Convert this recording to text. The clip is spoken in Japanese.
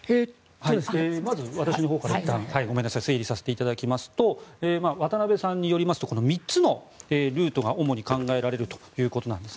まず私のほうからいったん整理させていただきますと渡部さんによりますと３つのルートが主に考えられるということです。